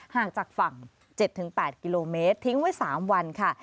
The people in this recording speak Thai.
ห่างจากฝั่ง๗๘กิโลเมตรทิ้งไว้๓วันค่ะ